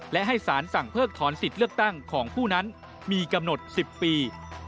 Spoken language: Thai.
และให้สารสั่งเพิกถอนสิทธิ์เลือกตั้งของผู้นั้นมีกำหนด๑๐ปี